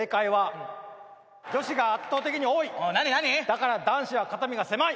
だから男子は肩身が狭い。